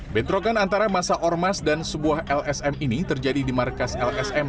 bentrokan antara masa ormas dan sebuah lsm ini terjadi di markas lsm